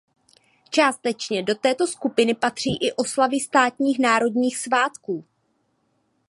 Částečně do této skupiny patří i oslavy státních národních svátků.